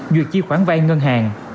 duyệt chi khoản vai ngân hàng